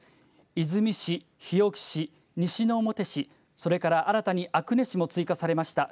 出水市、日置市、西之表市、それから新たに阿久根市も追加されました。